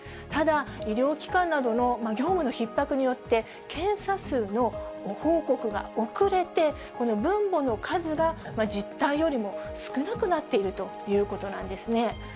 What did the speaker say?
ただ、医療機関などの業務のひっ迫によって、検査数の報告が遅れて、この分母の数が、実態よりも少なくなっているということなんですね。